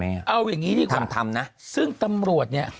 เอาอย่างนี้ดีกว่าทำนะซึ่งตำรวจเนี่ย